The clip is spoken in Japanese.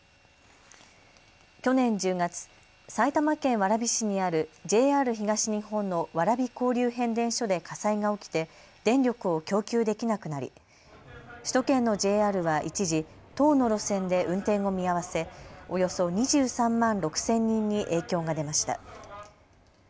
去年１０月、埼玉県蕨市にあるＪＲ東日本の蕨交流変電所で火災が起きて電力を供給できなくなり首都圏のＪＲは一時、１０の路線で運転を見合わせ、およそ２３万６０００人に影響が出ました。